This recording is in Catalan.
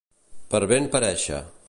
Per ben parèixer.